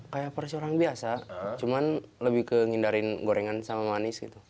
kayak porsi orang biasa cuman lebih ke ngindarin gorengan sama manis gitu